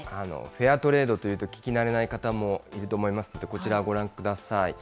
フェアトレードというと、聞き慣れない方もいると思います、こちらをご覧ください。